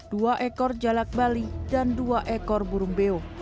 dua ekor jalak bali dan dua ekor burung beo